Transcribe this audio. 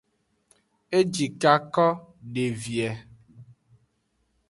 Ejikako de vie.